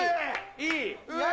いい！